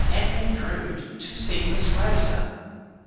Edwin Drood to see Miss Rosa."